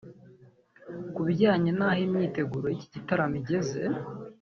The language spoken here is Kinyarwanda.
Ku bijyanye n’aho imyiteguro y’iki gitaramo igeze